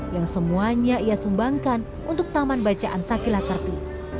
yang semuanya ia sumbangkan untuk taman bacaan sakila kerti